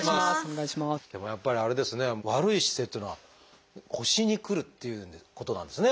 でもやっぱりあれですね悪い姿勢っていうのは腰にくるっていうことなんですね